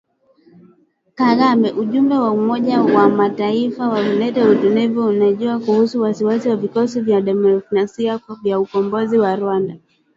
Kagame: Ujumbe wa Umoja wa Mataifa wa kuleta utulivu unajua kuhusu waasi wa Vikosi vya Kidemokrasia vya Ukombozi wa Rwanda.